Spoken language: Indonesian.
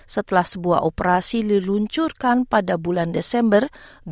setelah sebuah operasi diluncurkan pada bulan desember dua ribu dua puluh